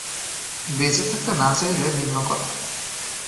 বেঁচে থাকতে না চাইলে ভিন্ন কথা।